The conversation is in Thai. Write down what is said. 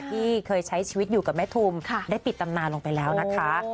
ที่เคยใช้ชีวิตอยู่กับแม่ทุมได้ปิดตำนานลงไปแล้วนะคะ